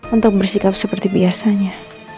untuk bersikap seperti biasanya